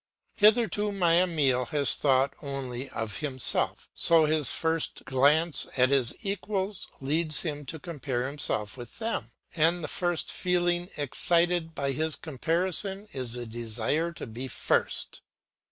Hitherto my Emile has thought only of himself, so his first glance at his equals leads him to compare himself with them; and the first feeling excited by this comparison is the desire to be first.